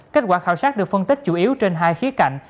kết quả khảo sát được phân tích chủ yếu trên hai khía cạnh